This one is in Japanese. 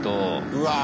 うわ！